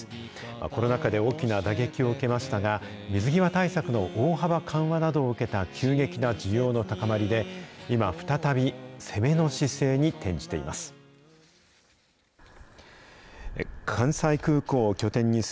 コロナ禍で大きな打撃を受けましたが、水際対策の大幅な緩和などを受けた、急激な需要の高まりで、今、再び攻めの姿勢に転じています。